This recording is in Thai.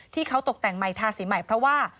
ที่เขาตกแต่งใหม่ทาสีใหม่เพราะว่า